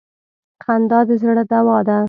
خندا د زړه دوا ده.